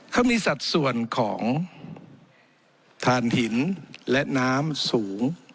เขามีสัดส่วนของฐานหินและน้ำสูง